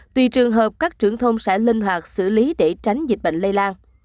tùy trường hợp các trưởng thôn sẽ linh hoạt xử lý để tránh dịch bệnh lây lan